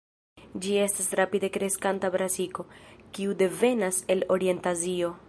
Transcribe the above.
Ĝi estas rapide kreskanta brasiko, kiu devenas el Orient-Azio.